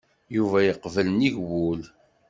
Yuba yeqbel nnig wul.